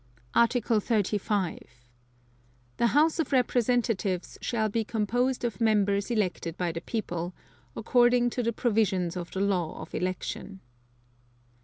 Article 35. The House of Representatives shall be composed of members elected by the people, according to the provisions of the law of Election.